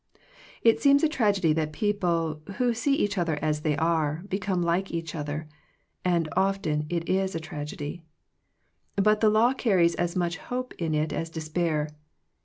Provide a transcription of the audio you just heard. It seems a tragedy that people, who see each other as they are, become like each other; and often it is a tragedy. But the law carries as much hope in it as despair.